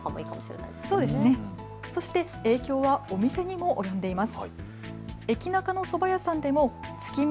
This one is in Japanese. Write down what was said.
影響はお店にも及んでいます。